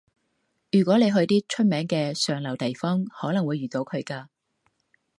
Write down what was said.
如果你去啲出名嘅上流地方，可能會遇到佢㗎